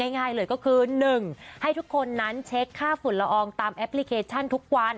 ง่ายเลยก็คือ๑ให้ทุกคนนั้นเช็คค่าฝุ่นละอองตามแอปพลิเคชันทุกวัน